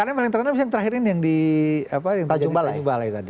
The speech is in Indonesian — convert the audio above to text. yang paling terkenal misalnya yang terakhir ini yang di apa yang terjadi di jumbalai tadi